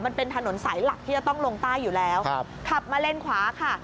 มันเป็นถนนสายหลักที่จะต้องลงใต้อยู่แล้วครับขับมาเลนขวาค่ะ